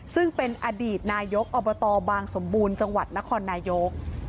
ซึ่งเป็นอดีตนายกอบตบางสมบูรณ์จังหวัดนครนายก